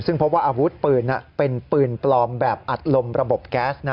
ซึ่งพบว่าอาวุธปืนเป็นปืนปลอมแบบอัดลมระบบแก๊ส